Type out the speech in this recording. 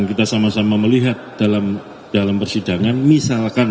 kita sama sama melihat dalam persidangan misalkan